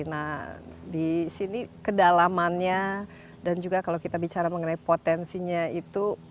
nah di sini kedalamannya dan juga kalau kita bicara mengenai potensinya itu